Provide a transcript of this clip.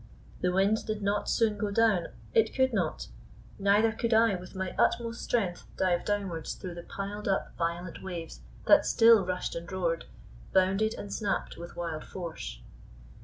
The wind did not soon go down, it could not; neither could I with my utmost strength dive downwards through the piled up, violent waves that still rushed and roared, bounded and snapped with wild force.